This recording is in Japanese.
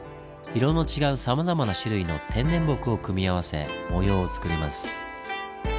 色の違うさまざまな種類の天然木を組み合わせ模様をつくります。